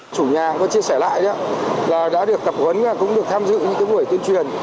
chủ nhà có chia sẻ lại là đã được tập huấn cũng được tham dự những buổi tuyên truyền